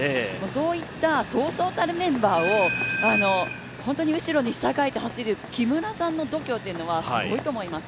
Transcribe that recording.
そういったそうそうたるメンバーを後ろに従えて走る木村さんの度胸というのはすごいと思います。